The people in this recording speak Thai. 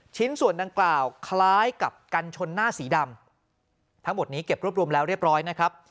ชิ้นส่วนดังกล่าวคล้ายกับกันชนหน้าสีดำทั้งหมดนี้เก็บรวบรวมแล้วเรียบร้อยนะครับ